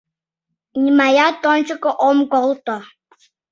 Нимаят ончыко ом колто.